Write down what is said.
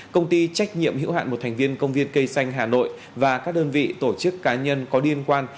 công ty trách nhiệm hữu hạn một thành viên công viên cây xanh hà nội và các đơn vị tổ chức cá nhân có liên quan